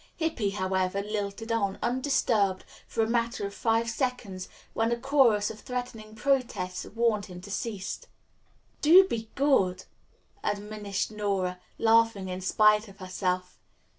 Hippy, however, lilted on, undisturbed, for a matter of five seconds, when a chorus of threatening protests warned him to cease. "Do be good," admonished Nora, laughing in spite of herself.